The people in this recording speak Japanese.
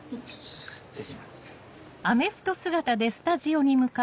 失礼します。